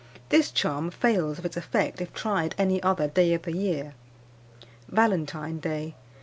This charm fails of its effect if tried any other day of the year. "_Valentine Day.